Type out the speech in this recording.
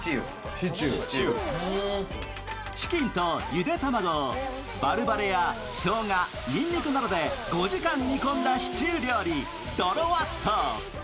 チキンとゆで卵をバルバレやしょうが、にんにくなどで５時間煮込んだシチュー料理、ドロワット。